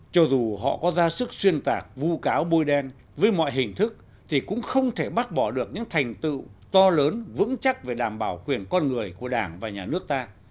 cho dù họ có ra sức xuyên tạc vu cáo bôi đen với mọi hình thức thì cũng không thể bác bỏ được những thành tựu to lớn vững chắc về đảm bảo quyền con người của đảng và nhà nước ta